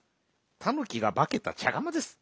たぬきがばけたちゃがまです。